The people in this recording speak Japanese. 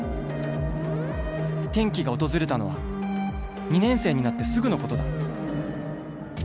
転機が訪れたのは２年生になってすぐのことだ。